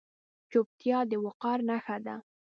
چوپتیا، د وقار نښه ده.